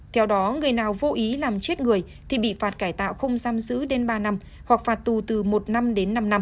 theo đó người nào vô ý làm chết người thì bị phạt cải tạo không giam giữ đến ba năm hoặc phạt tù từ một năm đến năm năm